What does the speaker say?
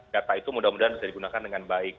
data itu mudah mudahan bisa digunakan dengan baik